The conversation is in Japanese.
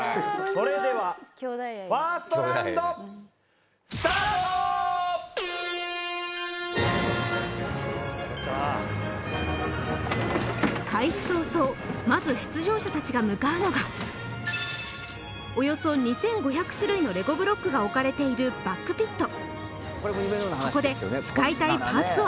それではファーストラウンド開始早々まず出場者たちが向かうのがおよそ２５００種類のレゴブロックが置かれているバックピット